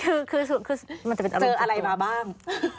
คือมันจะเจออะไรมาบ้าง